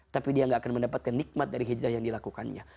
tapi dia gak akan mendapatkan nikmat dari hijrah yang dilakukannya